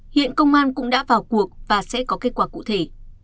hiện công an cũng đã vào cuộc và sẽ có kết quả cụ thể